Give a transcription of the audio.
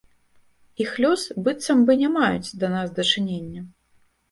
Іх лёс быццам бы не маюць да нас дачынення.